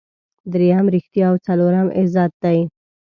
دریم ریښتیا او څلورم عزت دی.